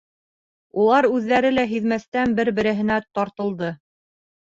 Улар үҙҙәре лә һиҙмәҫтән бер-береһенә тартылды.